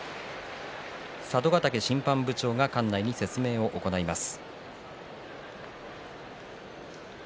佐渡ヶ嶽審判部長が館内に説明を行います。